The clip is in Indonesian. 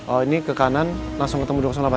oh ini ke kanan langsung ketemu dua ratus delapan